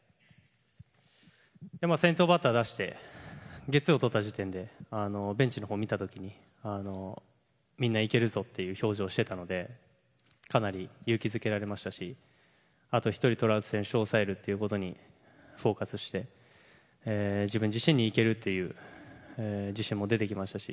先頭バッターを出してゲッツーをとった時点でベンチのほうを見た時にみんな、いけるぞという表情をしていたのでかなり勇気づけられましたしあと１人、トラウト選手を抑えるということにフォーカスして自分自身に、いけるという自信も出てきましたし